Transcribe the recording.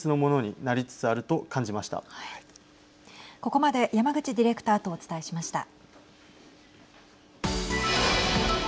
ここまで山口ディレクターとお伝えしました。